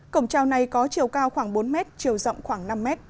cổng trào này có chiều cao khoảng bốn mét chiều rộng khoảng năm m